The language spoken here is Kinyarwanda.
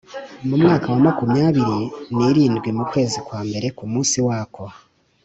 Mu mwaka wa makumyabiri n irindwi mu kwezi kwa mbere ku munsi wako